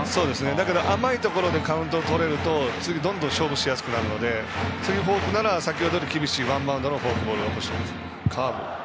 だから甘いところでカウントをとれると次、勝負しやすくなるので次がフォークならより厳しいワンバウンドのフォークボールが欲しいです。